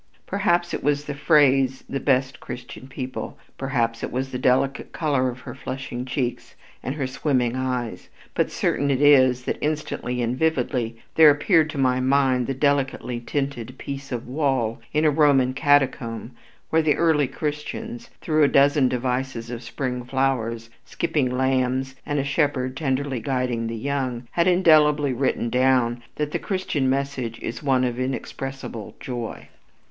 Perhaps it was the phrase "the best Christian people," perhaps it was the delicate color of her flushing cheeks and her swimming eyes, but certain it is, that instantly and vividly there appeared to my mind the delicately tinted piece of wall in a Roman catacomb where the early Christians, through a dozen devices of spring flowers, skipping lambs and a shepherd tenderly guiding the young, had indelibly written down that the Christian message is one of inexpressible joy.